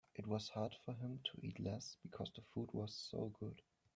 It was hard for him to eat less because the food was so good.